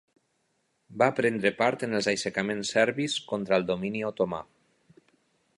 Va prendre part en els aixecaments serbis contra el domini otomà.